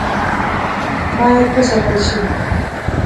ژوی باید وساتل شي.